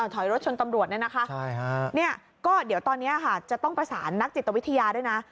ถอยรถชนตำรวจเนี่ยนะคะเนี่ยก็เดี๋ยวตอนนี้ค่ะจะต้องประสานนักจิตวิทยาด้วยนะ